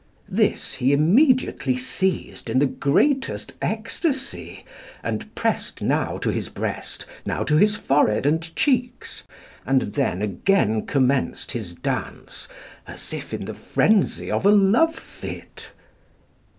This he immediately seized in the greatest ecstasy, and pressed now to his breast, now to his forehead and cheeks, and then again commenced his dance as if in the frenzy of a love fit.